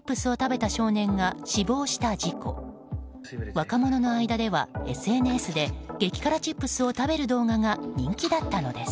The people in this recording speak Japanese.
若者の間ではＳＮＳで激辛チップスを食べる動画が人気だったのです。